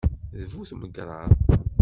D bu tmegṛaḍ.